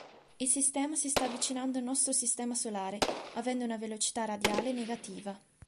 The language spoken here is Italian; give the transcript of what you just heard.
Il sistema si sta avvicinando al nostro sistema solare, avendo una velocità radiale negativa.